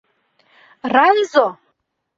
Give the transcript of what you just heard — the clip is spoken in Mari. — Райзо!